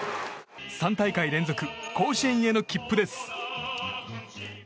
３大会連続甲子園への切符です。